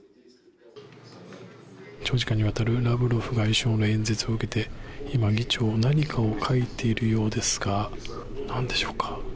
長時間にわたるラブロフ外相の演説を受けて今、議長何かを描いているようですが何でしょうか？